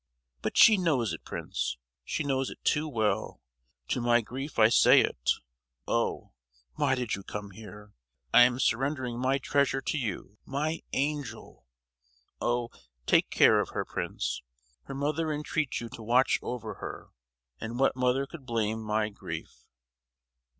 But she knows it, Prince, she knows it too well; to my grief I say it. Oh! why did you come here? I am surrendering my treasure to you—my angel! Oh! take care of her, Prince. Her mother entreats you to watch over her. And what mother could blame my grief!"